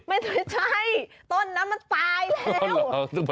ไม่ใช่ต้นนั้นมันตายแล้ว